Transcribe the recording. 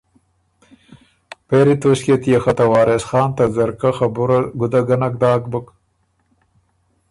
پېری توݭکيې تيې خه ته وارث خان ته ځرکۀ خبُره ګُده ګه نک داک بُک۔